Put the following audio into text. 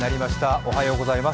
おはようございます。